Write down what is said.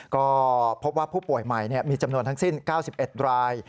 ก็พบว่าผู้ป่วยใหม่มีจำนวนทั้งสิ้น๙๑ราย